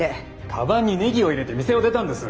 かばんにネギを入れて店を出たんです。